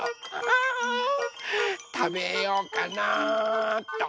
あたべようかなっと。